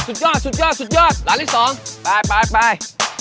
อร่อยสุดยอดสุดยอดร้านที่๒ไป